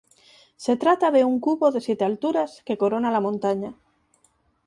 Se trata de un cubo de siete alturas que corona la montaña.